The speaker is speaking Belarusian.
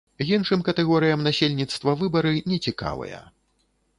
Іншым катэгорыям насельніцтва выбары не цікавыя.